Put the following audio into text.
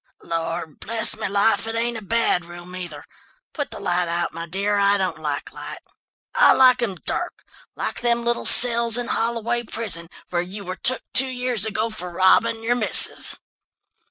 "Lord, bless me life, it ain't a bad room, either. Put the light out, my dear, I don't like light. I like 'em dark, like them little cells in Holloway prison, where you were took two years ago for robbing your missus."